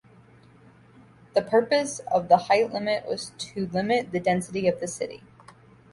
The purpose of the height limit was to limit the density of the city.